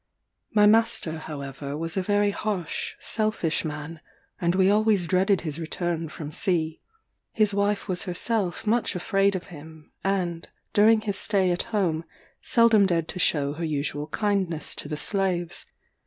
My master, however, was a very harsh, selfish man; and we always dreaded his return from sea. His wife was herself much afraid of him; and, during his stay at home, seldom dared to shew her usual kindness to the slaves.